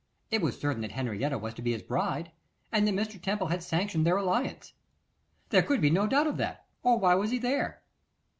It was certain that Henrietta was to be his bride, and that Mr. Temple had sanctioned their alliance. There could be no doubt of that, or why was he there?